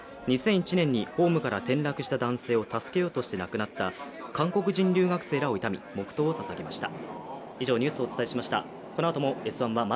２００１年にホームから転落した男性を助けようとして亡くなった韓国人留学生らを悼み、黙祷を捧げました。